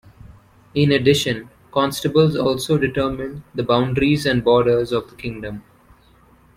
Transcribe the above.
In addition, constables also determined the boundaries and borders of the kingdom.